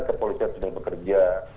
kepolisian sudah bekerja